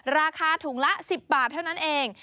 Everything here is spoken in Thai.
ราคาถุงละ๑๐บาทเท่านั้นเอง